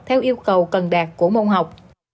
theo yêu cầu cần đạt của môn học